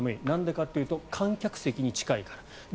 なんでかっていうと観客席に近いから。